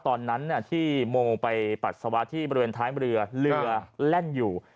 ตอนนั้นที่โมไปปัสสาวะที่บริเวณท้ายเรือเรือแล่นอยู่